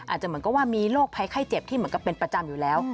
อาจจะเหมือนกับว่ามีโรคภัยไข้เจ็บที่เหมือนกับเป็นประจำอยู่แล้ว